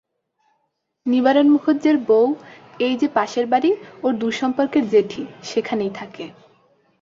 নিবারণ মুখুজ্যের বৌ-এই যে পাশের বাড়ি, ওর দূর-সম্পর্কের জেঠি-সেখানেই থাকে।